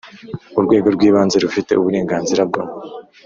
Urwego rw ibanze rufite uburenganzira bwo